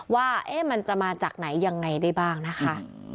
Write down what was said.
ว่ามันจะมาจากไหนยังไงได้บ้างนะคะ